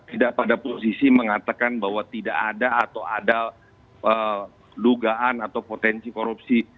tidak pada posisi mengatakan bahwa tidak ada atau ada dugaan atau potensi korupsi